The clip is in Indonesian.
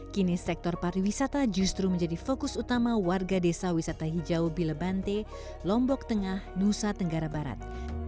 kini sektor pariwisata justru menjadi fokus utama warga desa wisata hijau bilebante lombok tengah nusa tenggara barat